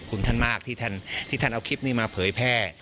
คุณท่านมากที่ท่านเอาคลิปนี้มาเผยแพร่